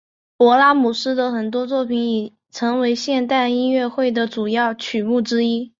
勃拉姆斯的很多作品已成为现代音乐会的主要曲目之一。